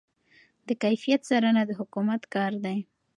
د کیفیت څارنه د حکومت کار دی.